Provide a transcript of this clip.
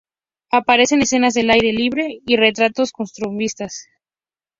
Aparecen escenas al aire libre y retratos costumbristas.